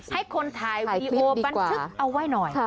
ให้คนถ่ายวีดีโอบันทึกเอาไว้หน่อย